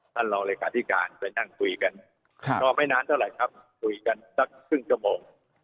ท่านรอรายการที่การไปนั่งคุยกันคอไม่นานเท่าไหร่ครับคุยกันสักครึ่งกระโมง